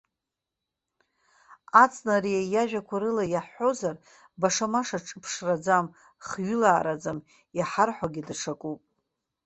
Аҵнариа иажәақәа рыла иаҳҳәозар, башамаша ҿыԥшраӡам, хҩылаараӡам, иҳарҳәогьы даҽакуп.